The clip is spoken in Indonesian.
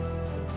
di kepala publik